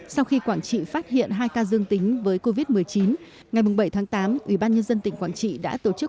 sau khi quảng trị phát hiện hai ca dương tính với covid một mươi chín ngày bảy tháng tám ubnd tỉnh quảng trị đã tổ chức